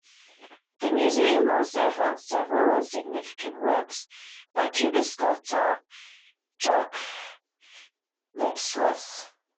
The museum also holds several significant works by cubist sculptor Jacques Lipchitz.